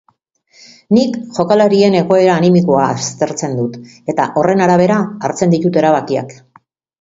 Nik jokalarien egoera animikoa aztertzen dut, eta horren arabera hartzen ditut erabakiak.